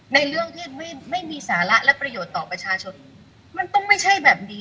เรื่องที่ไม่ไม่มีสาระและประโยชน์ต่อประชาชนมันต้องไม่ใช่แบบนี้